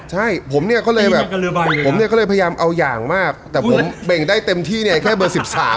ใช่ผมเนี่ยก็เลยแบบผมเนี่ยก็เลยพยายามเอาอย่างมากแต่ผมเบ่งได้เต็มที่เนี่ยแค่เบอร์๑๓